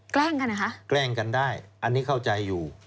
แกล้งกันนะคะแกล้งกันได้อันนี้เข้าใจอยู่